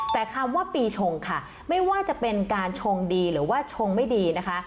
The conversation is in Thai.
แต่คำว่าปีชงค่ะไม่ว่าจะเป็นการชงดีหรือว่าชงไม่ดีนะคะ